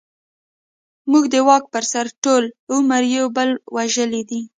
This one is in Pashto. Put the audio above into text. موږ د واک پر سر ټول عمر يو بل وژلې دي.